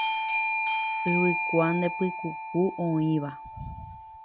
Yvykua nde pykuku oĩva.